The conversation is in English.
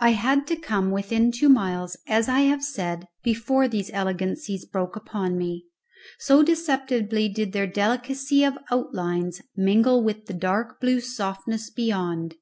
I had to come within two miles, as I have said, before these elegancies broke upon me, so deceptively did their delicacy of outlines mingle with the dark blue softness beyond.